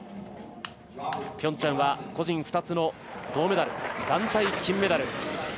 ピョンチャンは個人２つの銅メダル団体金メダル。